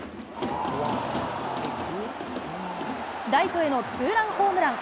ライトへのツーランホームラン。